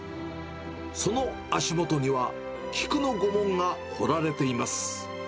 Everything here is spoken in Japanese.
その足元には菊の御紋が彫られています。